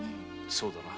そうだな。